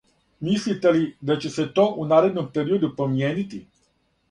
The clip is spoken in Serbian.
Мислите ли да ће се то у наредном периоду промијенити?